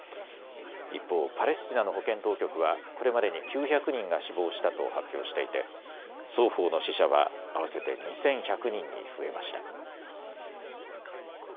一方、パレスチナの保健当局はこれまでに９００人が死亡したと発表していて双方の死者は合わせて２１００人に増えました。